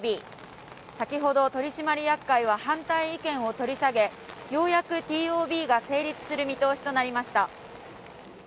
先ほど取締役会は反対意見を取り下げ、ようやくＴＯＢが成立する見通しとなりました。